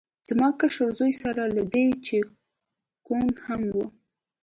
زما کشر زوی سره له دې چې کوڼ هم و